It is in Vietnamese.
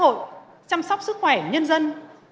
công ty xã hội chăm sóc sức khỏe nhân dân